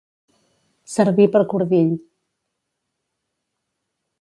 Servir per cordill.